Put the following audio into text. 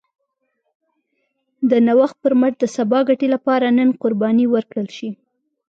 د نوښت پر مټ د سبا ګټې لپاره نن قرباني ورکړل شي.